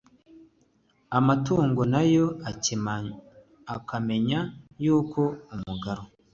Amatungo na yo akamenya yuko umugaru